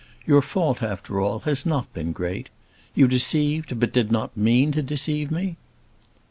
Your fault after all has not been great. You deceived, but did not mean to deceive me?"